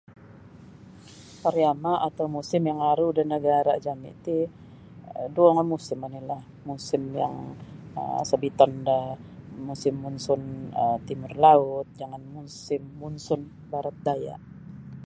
Pariama atau musim yang aru da nagara jami ti duo nga musim oni lah musim yang um sobiton da musim monson timur laut jangan musim monson barat daya.